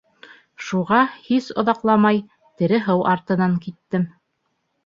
Шуға, һис оҙаҡламай, тере һыу артынан киттем.